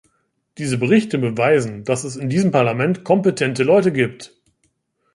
Diese Berichte beweisen, dass es in diesem Parlament kompetente Leute gibt.